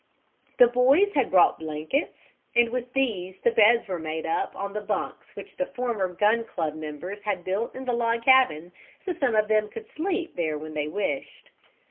The boys had brought blankets, and with these the beds were made up on the bunks which the former gun club members had built in the log cabin so some of them could sleep there when they wished.